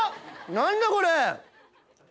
何だこれ！